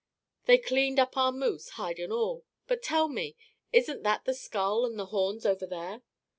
They cleaned up our moose, hide and all. But, tell me, isn't that the skull and the horns over there?"